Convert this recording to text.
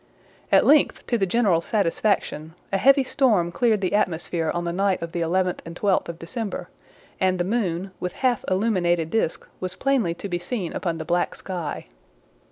At length, to the general satisfaction, a heavy storm cleared the atmosphere on the night of the 11th and 12th of December, and the moon, with half illuminated disc, was plainly to be seen upon the black sky.